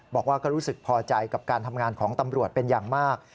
บอกว่าก็รู้สึกพอใจกับการทำงานของตำรวจเป็นอย่างมาก